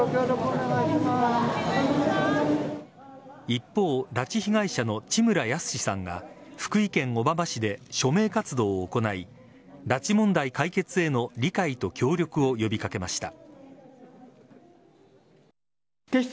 一方拉致被害者の地村保志さんが福井県小浜市で署名活動を行い拉致問題解決への理解と協力を呼び掛けました。